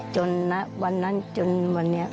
ณวันนั้นจนวันนี้